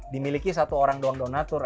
dimiliki satu orang doang doang natur